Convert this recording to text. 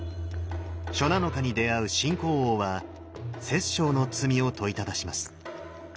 初七日に出会う秦広王は殺生の罪を問いただします。